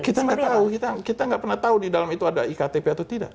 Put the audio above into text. kita nggak tahu kita nggak pernah tahu di dalam itu ada iktp atau tidak